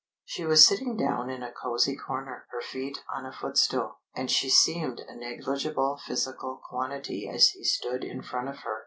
She was sitting down in a cosy corner, her feet on a footstool, and she seemed a negligible physical quantity as he stood in front of her.